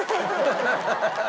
ハハハハ。